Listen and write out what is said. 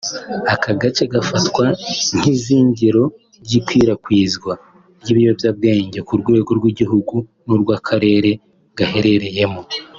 Aka gace gafatwa nk’izingiro ry’ikwirakwizwa ry’ibiyobyabwenge ku rwego rw’igihugu n’urw’akarere gaherereyemo